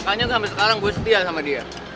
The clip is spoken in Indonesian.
makanya gue sampe sekarang gue setia sama dia